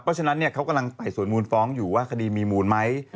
เพราะฉะนั้นเขากำลังไต่สวนมูลฟ้องอยู่ว่าคดีมีมูลไหม